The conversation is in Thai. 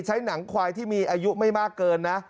ใช้หนังควายที่มีอายุไม่มากเกินนะ